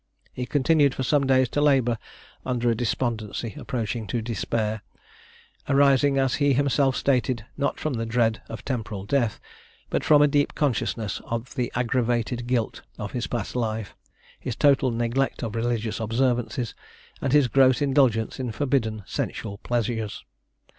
He continued for some days to labour under a despondency approaching to despair, arising as he himself stated, not from the dread of temporal death, but from a deep consciousness of the aggravated guilt of his past life, his total neglect of religious observances, and his gross indulgence in forbidden sensual pleasures.